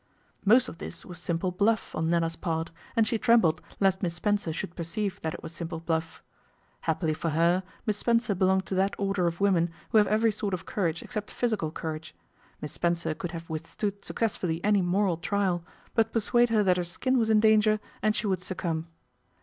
Most of this was simple bluff on Nella's part, and she trembled lest Miss Spencer should perceive that it was simple bluff. Happily for her, Miss Spencer belonged to that order of women who have every sort of courage except physical courage. Miss Spencer could have withstood successfully any moral trial, but persuade her that her skin was in danger, and she would succumb.